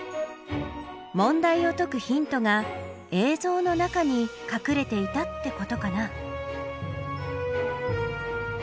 問題を解くヒントが映像の中にかくれていたってことかな？